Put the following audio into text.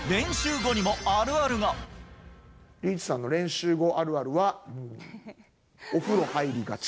リーチさんの練習後あるあるは、お風呂入りがち。